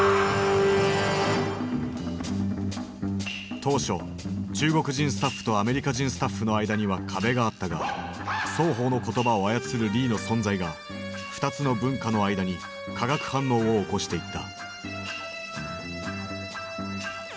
当初中国人スタッフとアメリカ人スタッフの間には壁があったが双方の言葉を操るリーの存在が２つの文化の間に化学反応を起こしていった。